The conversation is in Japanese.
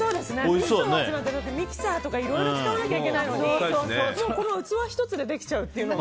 ヴィシソワーズってミキサーとかいろいろ使わなきゃいけないのに器１つでできちゃうっていうのが。